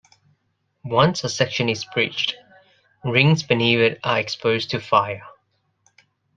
Once a section is breached, rings beneath it are exposed to fire.